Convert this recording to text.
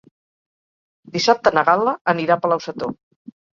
Dissabte na Gal·la anirà a Palau-sator.